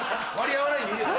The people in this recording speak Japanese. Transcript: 合わないんでいいです。